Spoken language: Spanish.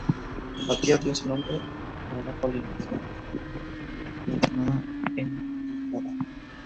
Batía dio su nombre a una colina de la Tróade, mencionada en la "Ilíada".